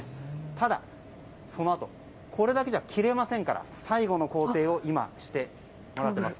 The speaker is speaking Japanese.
ただ、そのあとこれだけじゃ切れませんから最後の工程を今、してもらっています。